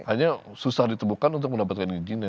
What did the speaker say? hanya susah ditemukan untuk mendapatkan izinnya